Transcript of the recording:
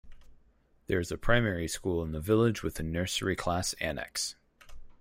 There is a primary school in the village with a nursery class annex.